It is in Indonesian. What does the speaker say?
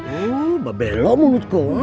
eh babelok menurut kau